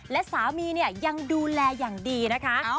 และสามีเนี่ยยังดูแลอย่างดีนะคะ